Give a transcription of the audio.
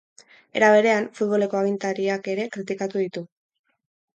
Era berean, futboleko agintariak ere kritikatu ditu.